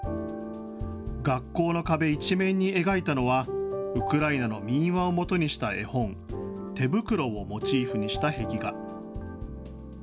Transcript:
学校の壁一面に描いたのはウクライナの民話をもとにした絵本、てぶくろをモチーフにした壁画。